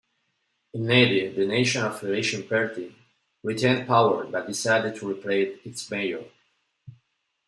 In Nadi, the National Federation Party retained power, but decided to replace its Mayor.